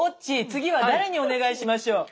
次は誰にお願いしましょう？